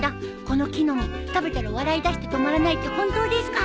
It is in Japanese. この木の実食べたら笑いだして止まらないって本当ですか？